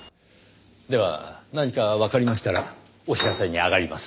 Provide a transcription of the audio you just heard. では何かわかりましたらお知らせに上がります。